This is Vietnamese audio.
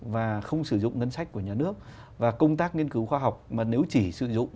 và không sử dụng ngân sách của nhà nước và công tác nghiên cứu khoa học mà nếu chỉ sử dụng